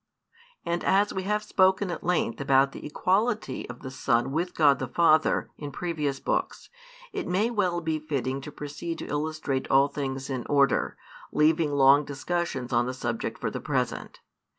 And as we have spoken at length about the equality of the Son with God the Father in previous books, it may well be fitting to proceed to illustrate all things in order, leaving long discussions on the subject for the present.